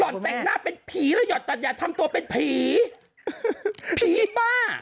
แต่งหน้าเป็นผีแล้วหยอดตัดอย่าทำตัวเป็นผีผีบ้า